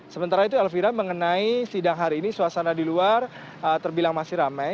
sementara itu elvira mengenai sidang hari ini suasana di luar terbilang masih ramai